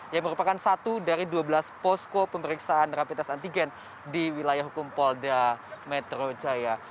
yang merupakan satu dari dua belas posko pemeriksaan rapid test antigen di wilayah hukum polda metro jaya